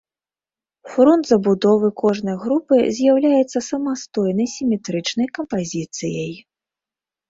Фронт забудовы кожнай групы з'яўляецца самастойнай сіметрычнай кампазіцыяй.